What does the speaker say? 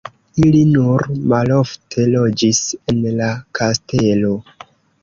Ili nur malofte loĝis en la kastelo.